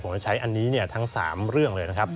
ผมจะใช้อันนี้เนี่ยทั้ง๓เรื่องเลยนะครับ